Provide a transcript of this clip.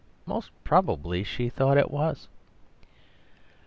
Most probably she thought it was.